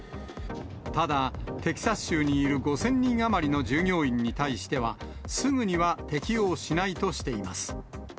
ただ、テキサス州にいる５０００人余りの従業員に対しては、すぐには適用しないとしています。